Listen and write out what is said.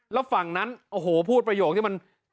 แล้วฝั่งนั้นโอ้โหพูดประโยคที่มัน